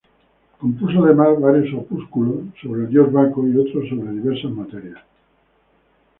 Compuso además varios opúsculos sobre el dios Baco y otros sobre diversas materias.